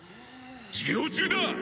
授業中だ！